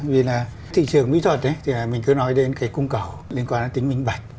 vì là thị trường mỹ thuật thì mình cứ nói đến cái cung cầu liên quan đến tính minh bạch